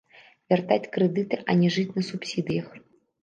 Вяртаць крэдыты, а не жыць на субсідыях.